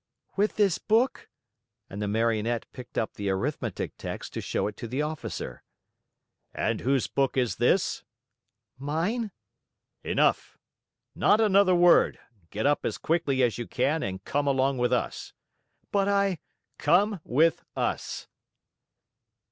"With this book," and the Marionette picked up the arithmetic text to show it to the officer. "And whose book is this?" "Mine." "Enough." "Not another word! Get up as quickly as you can and come along with us." "But I " "Come with us!" "But I am innocent." "Come with us!"